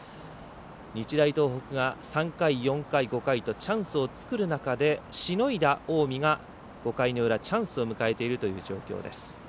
日大東北が３回、４回、５回とチャンスを作る中でしのいだ近江が、５回の裏チャンスを迎えている状況です。